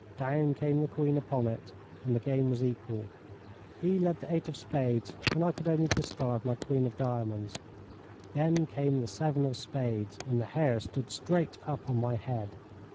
Down came the queen upon it, and the game was equal. He led the eight of spades, and I could only discard my queen of diamonds. Then came the seven of spades, and the hair stood straight up on my head.